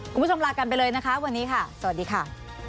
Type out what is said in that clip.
คุณผู้ชมลากันไปเลยนะคะวันนี้ค่ะสวัสดีค่ะ